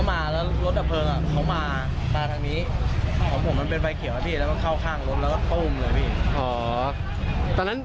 และถึงรถดับที่เข้ามาส่าวของภรรยากำลังไม่มีแผลคงก็หลายมา